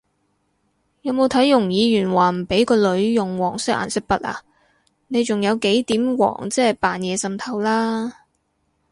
有冇睇容議員話唔畀個女用黃色顏色筆啊？你仲有幾點黃即係扮嘢滲透啦！？